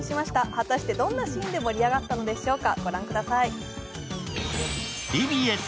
果たして、どんなシーンで盛り上がったのでしょうか？